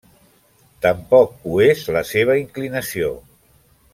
Tampoc ho és la seva inclinació.